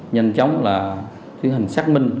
nhanh chóng là hình xác minh